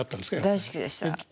大好きでした。